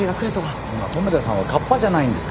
そんな留田さんは河童じゃないんですから。